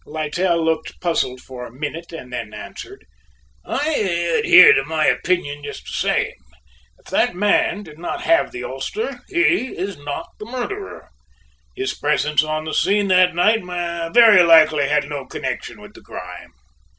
Littell looked puzzled for a minute and then answered: "I adhere to my opinion just the same; if that man did not have the ulster, he was not the murderer. His presence on the scene that night very likely had no connection with the crime."